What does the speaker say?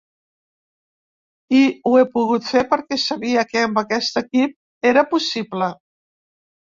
I ho he pogut fer perquè sabia que amb aquest equip era possible.